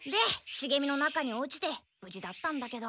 しげみの中に落ちてぶじだったんだけど。